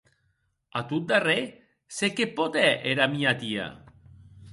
A tot darrèr, se qué pòt hèr era mia tia?